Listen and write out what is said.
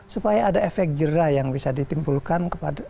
supaya ada efek jerah yang bisa ditimbulkan kepada